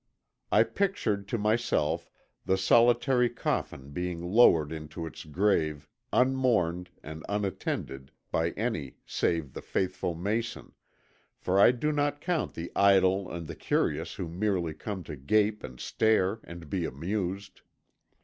I pictured to myself the solitary coffin being lowered into its grave unmourned and unattended by any save the faithful Mason, for I do not count the idle and the curious who merely come to gape and stare and be amused.